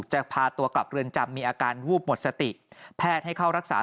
จะพาตัวกลับเรือนจำมีอาการวูบหมดสติแพทย์ให้เข้ารักษา